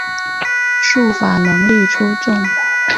术法能力出众。